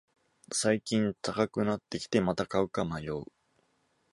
最近高くなってきて、また買うか迷う